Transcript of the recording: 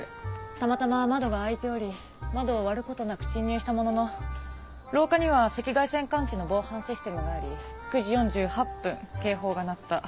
たまたま窓が開いており窓を割ることなく侵入したものの廊下には赤外線感知の防犯システムがあり９時４８分警報が鳴った。